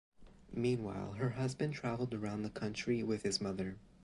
Meanwhile, her husband traveled around the country with his mother.